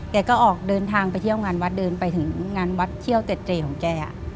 ก็ออกเดินทางไปเที่ยวงานวัดเดินไปถึงงานวัดเที่ยวเต็ดเจของแก